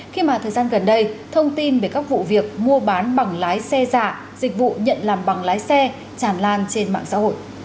khi mà thời gian gần đây thông tin về các vụ việc mua bán bằng lái xe giả dịch vụ nhận làm bằng lái xe tràn lan trên mạng xã hội